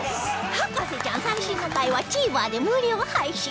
『博士ちゃん』最新の回は ＴＶｅｒ で無料配信